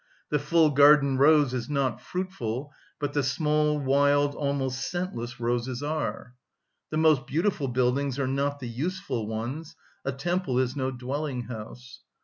The full garden rose is not fruitful, but the small, wild, almost scentless roses are. The most beautiful buildings are not the useful ones; a temple is no dwelling‐ house.